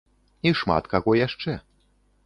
І шмат каго яшчэ.